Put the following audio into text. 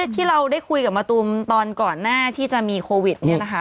ที่เราได้คุยกับมะตูมตอนก่อนหน้าที่จะมีโควิดเนี่ยนะคะ